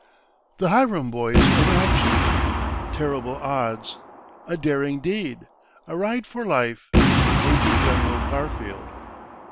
The Hiram Boys in Action Terrible Odds A Daring Deed A Ride for Life Major General Garfield.